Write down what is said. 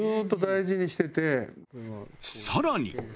［さらに］